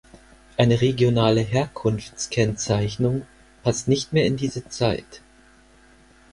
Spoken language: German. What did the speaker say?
Eine regionale Herkunftskennzeichnung passt nicht mehr in diese Zeit.